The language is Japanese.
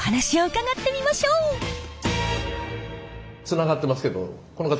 つながってますけどこの方